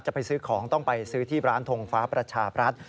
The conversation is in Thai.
ไปซื้อของต้องไปซื้อที่ร้านทงฟ้าประชาบรัฐ